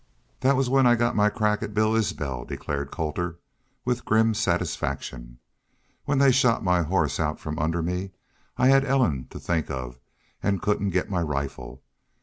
"That was when I got my crack at Bill Isbel," declared Colter, with grim satisfaction. "When they shot my horse out from under me I had Ellen to think of an' couldn't get my rifle.